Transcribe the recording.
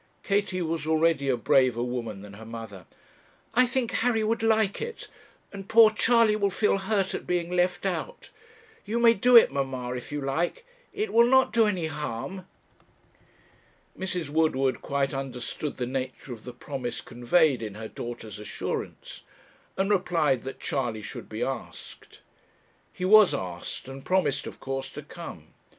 Katie was already a braver woman than her mother. 'I think Harry would like it, and poor Charley will feel hurt at being left out; you may do it, mamma, if you like; it will not do any harm.' Mrs. Woodward quite understood the nature of the promise conveyed in her daughter's assurance, and replied that Charley should be asked. He was asked, and promised, of course, to come.